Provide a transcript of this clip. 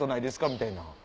みたいな。